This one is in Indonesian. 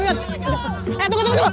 eh tunggu tunggu tunggu